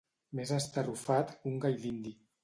Més estarrufat que un gall dindi.